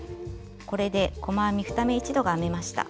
これで細編み２目一度が編めました。